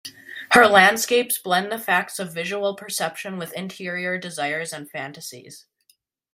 Her landscapes blend the facts of visual perception with interior desires and fantasies.